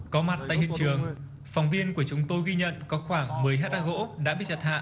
có mặt tại hiện trường phòng viên của chúng tôi ghi nhận có khoảng một mươi hectare gỗ đã bị chặt hạ